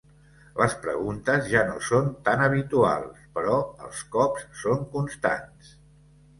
Les preguntes ja no són tan habituals, però els cops són constants.